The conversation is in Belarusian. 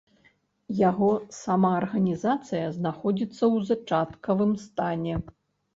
Яго самаарганізацыя знаходзіцца ў зачаткавым стане.